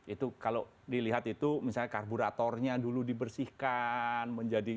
itu kalau dilihat itu misalnya karburatornya dulu dibersihkan